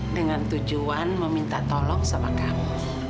dengan tujuan meminta tolong sama kamu